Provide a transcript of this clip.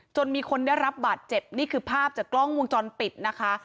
มีคนได้รับบาดเจ็บนี่คือภาพจากกล้องวงจรปิดนะคะ